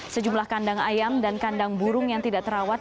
sejumlah kandang ayam dan kandang burung yang tidak terawat